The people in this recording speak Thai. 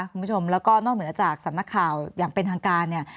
คุณผู้ชมแล้วก็นอกเหนือจากสำนักข่าวอย่างเป็นทางการเนี่ย